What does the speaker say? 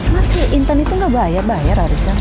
mas si intan itu gak bayar bayar arissa